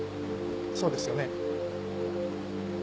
そうですよね？